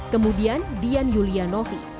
kemudian dian yulia novi